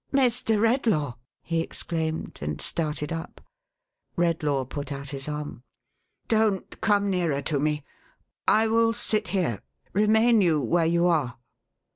" Mr. Redlaw !" he exclaimed, and started up. Redlaw put out his arm. "Don't come nearer to me. I will sit here. Remain yon, where you are